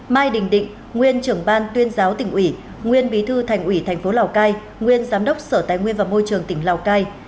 mai đình định nguyên trưởng ban tuyên giáo tỉnh ủy nguyên bí thư thành ủy tp lào cai nguyên giám đốc sở tài nguyên và môi trường tỉnh lào cai